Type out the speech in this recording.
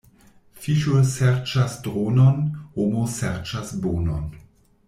Fiŝo serĉas dronon, homo serĉas bonon.